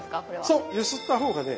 そう揺すった方がね